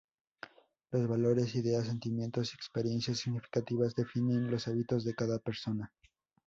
Los valores, ideas, sentimientos y experiencias significativas definen los hábitos de cada persona.